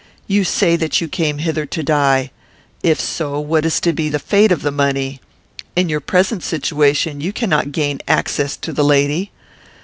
You say that you came hither to die. If so, what is to be the fate of the money? In your present situation you cannot gain access to the lady.